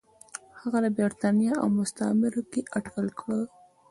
هغه د برېټانیا او مستعمرو کې اټکل کړی و.